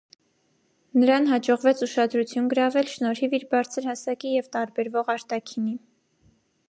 Նրան հաջողվեց ուշադրություն գրավել, շնորհիվ իր բարձր հասակի և տարբերվող արտաքինի։